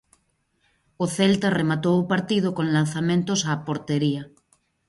O Celta rematou o partido con lanzamentos a portería.